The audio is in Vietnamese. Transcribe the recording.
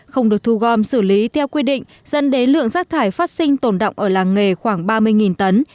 không được thu gom xử lý theo quy định dẫn đến lượng rác thải phát sinh tồn động ở làng nghề khoảng ba mươi tấn